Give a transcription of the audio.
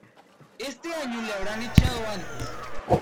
Este año le habrán echado antes.